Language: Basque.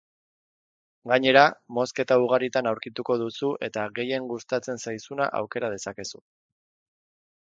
Gainera, mozketa ugaritan aurkituko duzu eta gehien gustatzen zaizuna aukera dezakezu.